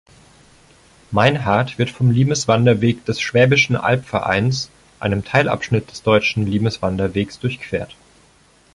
Mainhardt wird vom Limes-Wanderweg des Schwäbischen Albvereins, einem Teilabschnitt des Deutschen Limes-Wanderwegs, durchquert.